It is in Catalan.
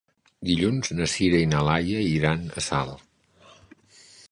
Dilluns na Sira i na Laia iran a Salt.